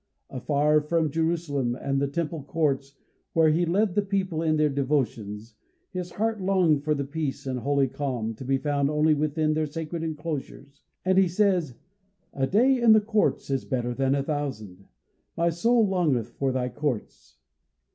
Afar from Jerusalem, and the temple courts, where he led the people in their devotions, his heart longed for the peace and holy calm, to be found only within their sacred enclosures, and he says: "A day in thy courts is better than a thousand." "My soul longeth for thy courts."